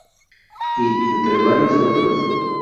I", entre varios otros.